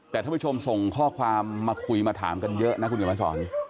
แต่ท่านผู้ชมส่งข้อความมาคุยมาถามกันเยอะนะคุณเขียนมาสอน